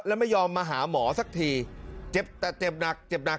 แล้วไม่ยอมมาหาหมอสักทีเจ็บแต่เจ็บหนักเจ็บหนัก